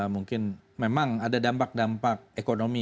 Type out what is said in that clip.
mungkin memang ada dampak dampak ekonomi